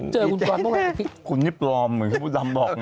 เจอคุณปลอมต้องการพิกคุณนี่ปลอมเหมือนพี่ปุ๊ดลำบอก